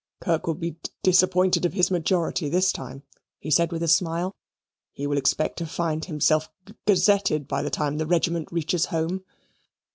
"Kirk will be disappointed of his majority this time," he said with a smile; "he will expect to find himself gazetted by the time the regiment reaches home."